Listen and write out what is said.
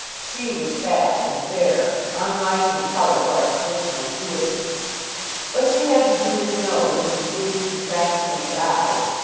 She was fat and fair, unlike in colour to our traditional Jewesses; but she had the Jewish nose and the Jewish contraction of the eyes.